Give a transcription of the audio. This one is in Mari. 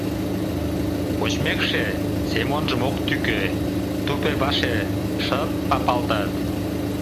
Вочмекше, Семонжым ок тӱкӧ, тупе-ваше шы-ып папалтат.